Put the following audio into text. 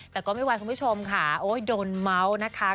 แต่ก็ไม่ไหวคุณผู้ชมค่ะโอ้ยโดนเมาส์นะคะ